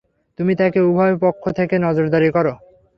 তুমি তাকে উভয় পক্ষ থেকে নজরদারি কর।